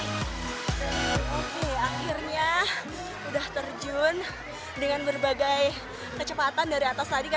oke akhirnya udah terjun dengan berbagai kecepatan dari atas tadi